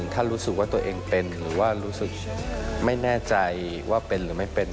ถ้ารู้สึกว่าตัวเองเป็นหรือว่ารู้สึกไม่แน่ใจว่าเป็นหรือไม่เป็น